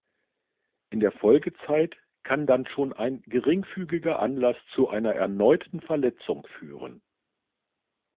In der Folgezeit kann dann schon ein geringfügiger Anlass zu einer erneuten Verletzung führen.